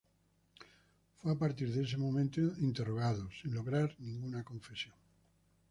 Fue a partir de ese momento interrogado, sin lograr ninguna confesión.